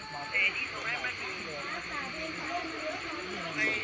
ก่อนช่องของหมูพุกที่เจ้าอาวุธจมไว้